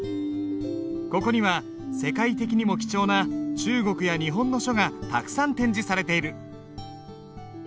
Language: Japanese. ここには世界的にも貴重な中国や日本の書がたくさん展示されている。